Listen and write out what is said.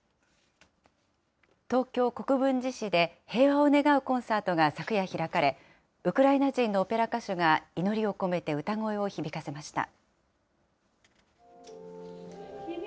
東京・国分寺市で平和を願うコンサートが昨夜開かれ、ウクライナ人のオペラ歌手が祈りを込めて歌声を響かせました。